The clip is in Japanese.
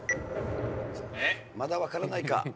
まだ分からないか？